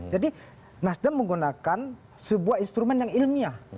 jadi nasdem menggunakan sebuah instrumen yang ilmiah